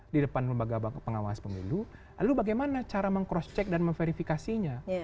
di depan lembaga pengawas pemilu lalu bagaimana cara meng cross check dan memverifikasinya